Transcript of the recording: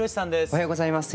おはようございます。